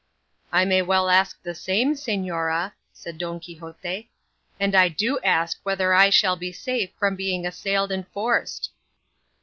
"I may well ask the same, señora," said Don Quixote; "and I do ask whether I shall be safe from being assailed and forced?"